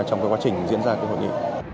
trong quá trình diễn ra hội nghị